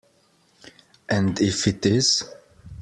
And if it is?